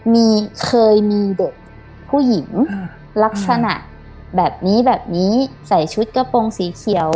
มีเคยมีเด็กผู้หญิงลักษณะแบบนี้แบบนี้ใส่ชุดกระโปรงสีเขียว